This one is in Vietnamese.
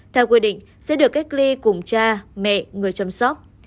theo quy định sẽ được cách ly cùng cha mẹ người chăm sóc